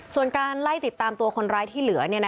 ส่วนการไล่ติดตามตัวคนร้ายที่เหลือ